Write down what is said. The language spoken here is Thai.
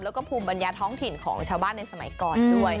แล้วก็ภูมิปัญญาท้องถิ่นของชาวบ้านในสมัยก่อนด้วย